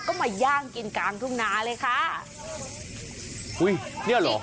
ก็มาย่างกินกลางทุ่งนาเลยค่ะอุ้ยเนี้ยเหรอ